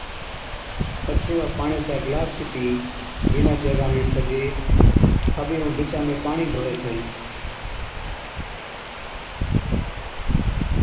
پڇي وا پاڻِيئا چا گلاس چتِي بِينڏا چي اگا ۾ سجي، کٻي ائُون بِچا ۾ پاڻِي ڍوڙي ڇَي